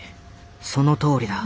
そのとおりだ。